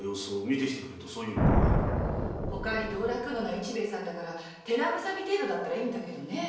他に道楽のない市兵衛さんだから手慰み程度ならいいんだけどね。